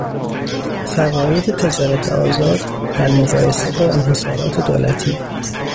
فواید تجارت آزاد در مقایسه با انحصارات دولتی